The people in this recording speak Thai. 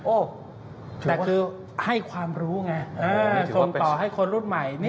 โอ้โหแต่คือให้ความรู้ไงส่งต่อให้คนรุ่นใหม่